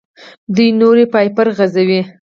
دوی نوري فایبر غځوي.